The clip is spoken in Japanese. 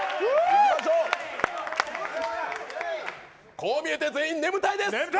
こう見えて全員眠たいです。